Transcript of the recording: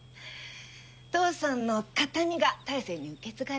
お父さんの形見が大成に受け継がれた。